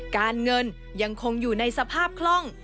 การเงินยังคงอยู่ในสภาพคล่อง